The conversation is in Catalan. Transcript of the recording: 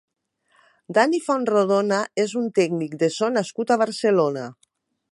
Dani Fontrodona és un tècnic de so nascut a Barcelona.